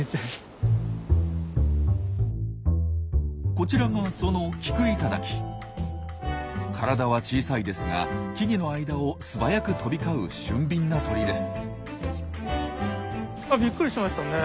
こちらがその体は小さいですが木々の間を素早く飛び交う俊敏な鳥です。